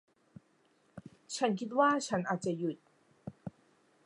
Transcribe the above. ฉันคิดว่าฉันอาจจะหยุด